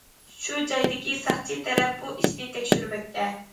شۇ جايدىكى ساقچى تەرەپ بۇ ئىشنى تەكشۈرمەكتە.